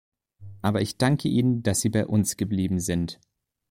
Aber ich danke Ihnen, dass Sie bei uns geblieben sind.